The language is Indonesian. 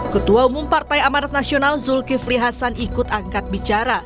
ketua umum partai amanat nasional zulkifli hasan ikut angkat bicara